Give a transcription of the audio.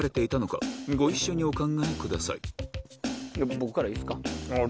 僕からいいですか。